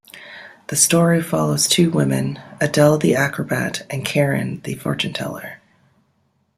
The story follows two women, Adele the acrobat and Karin the fortuneteller.